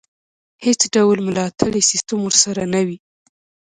هېڅ ډول ملاتړی سیستم ورسره نه وي.